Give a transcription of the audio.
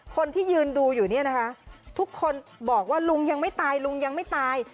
คนที่ยืนดูอยู่เนี่ยนะคะทุกคนบอกว่าลุงยังไม่ตายลุงยังไม่ตาย